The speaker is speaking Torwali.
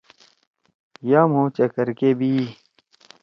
یا مھو چکر کے بیِئی۔